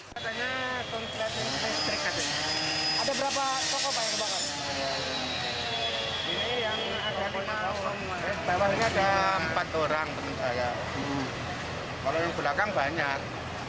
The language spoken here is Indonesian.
kalau yang belakang banyak